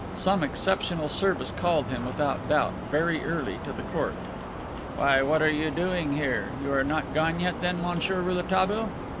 Some exceptional service called him, without doubt, very early to the Court. "Why, what are you doing here? You are not yet gone then, Monsieur Rouletabille?"